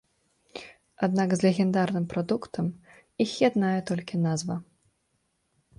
Аднак з легендарным прадуктам іх яднае толькі назва.